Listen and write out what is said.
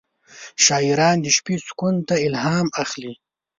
شاعران د شپې سکون ته الهام اخلي.